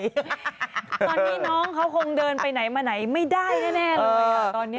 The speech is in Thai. ตอนนี้น้องเขาคงเดินไปไหนมาไหนไม่ได้แน่เลยตอนนี้